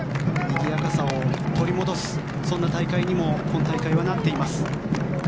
にぎやかさを取り戻すそんな大会にも今大会はなっています。